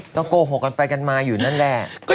ก็โกหกกันไปกันมาอยู่นั่นแหละ